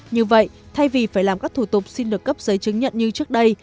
như vậy thay vì phải làm các thủ tục xin được cấp giấy chứng nhận như trước đây